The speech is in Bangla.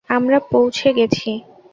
আমরা পৌঁছে গেছি।